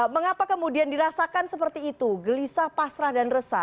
mengapa kemudian dirasakan seperti itu gelisah pasrah dan resah